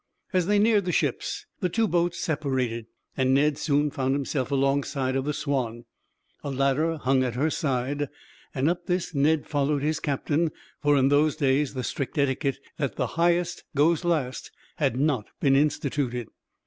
As they neared the ships the two boats separated, and Ned soon found himself alongside of the Swanne. A ladder hung at her side, and up this Ned followed his captain; for in those days the strict etiquette that the highest goes last had not been instituted.